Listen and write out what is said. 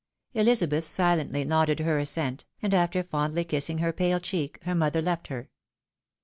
Elizabeth silently nodded her assent, and, after fondly kissing her pale cheek, her mother left her.